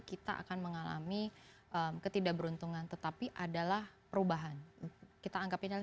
kita akan mengalami ketidakberuntungan tetapi adalah perubahan kita anggap ini adalah